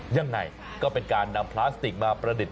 ยังไงก็เป็นการนำพลาสติกมาประดิษฐ